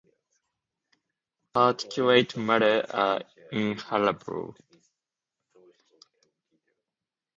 Particulate matter are inhalable.